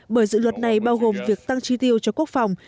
bởi dự luật này bao gồm việc tăng chi tiêu cho quốc phòng